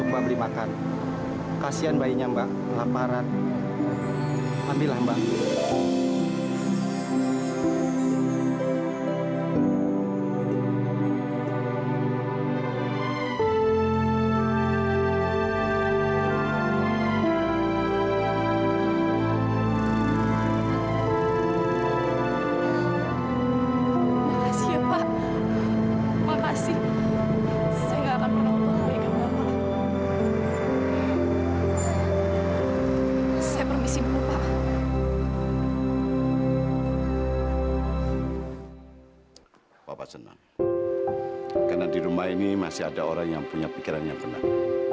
bapak senang karena di rumah ini masih ada orang yang punya pikiran yang benar